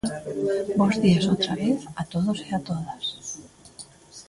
Bos días outra vez a todos e a todas.